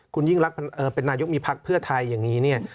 คุณยิ่งรักเป็นนายกมีพักเพื่อไทยอย่างนี้เนี่ย